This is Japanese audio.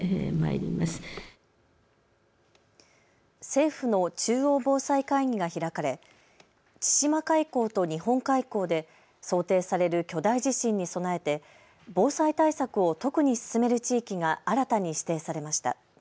政府の中央防災会議が開かれ千島海溝と日本海溝で想定される巨大地震に備えて防災対策を特に進める地域が新たに指定されました。